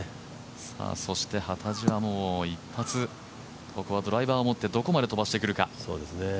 そして幡地は一発、ここはドライバーを持ってどこまで飛ばしてくるか。